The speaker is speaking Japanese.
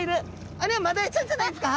あれはマダイちゃんじゃないですか？